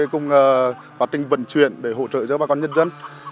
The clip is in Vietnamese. cùng quá trình vận chuyển để hỗ trợ cho bà con nhân dân